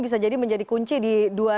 bisa jadi menjadi kunci di dua ribu dua puluh